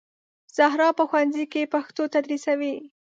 زهرا په ښوونځي کې پښتو تدریسوي